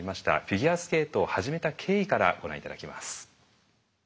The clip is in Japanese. フィギュアスケートを始めた経緯からご覧頂きます。